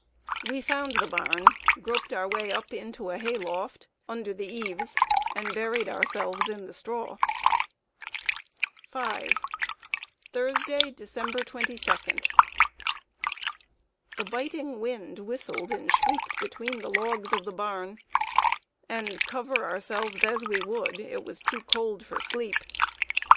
We found the barn, groped our way up into a hay loft, under the eaves, and buried ourselves in the straw. [Sidenote: EVERY BLACK FACE A FRIENDLY FACE.] V. Thursday, December 22. The biting wind whistled and shrieked between the logs of the barn, and, cover ourselves as we would, it was too cold for sleep.